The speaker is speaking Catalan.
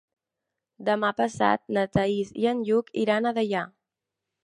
Demà passat na Thaís i en Lluc iran a Deià.